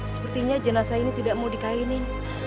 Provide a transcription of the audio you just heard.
sepertinya jenazah ini tidak mau dikainin